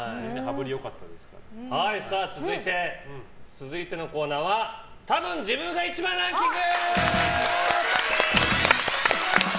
続いてのコーナーはたぶん自分が１番ランキング